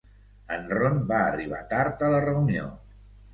En Ron va arribar tard a la reunió.